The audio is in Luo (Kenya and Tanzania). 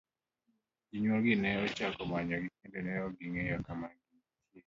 Jonyuol gi ne ochako manyo gi kendo ne ok ging'eyo kama gintiere.